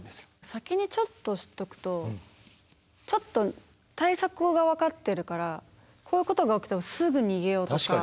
先にちょっと知っとくとちょっと対策が分かってるからこういうことが起きてもすぐ逃げようとか。